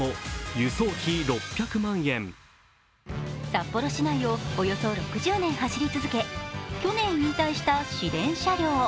札幌市内をおよそ６０年走り続け、去年引退した市電車両。